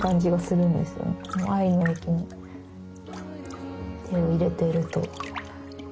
この藍の液に手を入れていると。